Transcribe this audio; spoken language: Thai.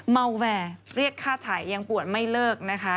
เมาแวร์เรียกค่าไถยังปวดไม่เลิกนะคะ